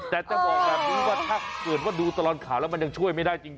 แต่จะบอกแบบนี้ว่าถ้าเกิดว่าดูตลอดข่าวแล้วมันยังช่วยไม่ได้จริง